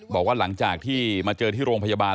บอกว่าหลังจากที่มาเจอที่โรงพยาบาล